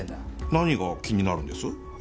何が気になるんです？